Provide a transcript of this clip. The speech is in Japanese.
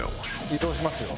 移動しますよ。